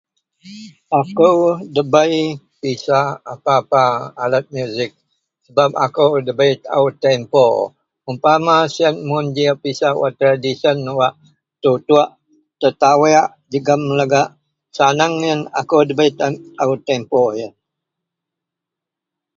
Akou ndabei pisak apa-apa alet muzik sebab akou ndabei taou tempo umpama siyen mun ji a pisak wak tradisen wak tutuok tetaweak jegem legak saneng yen akou ndabei taou tempo yen.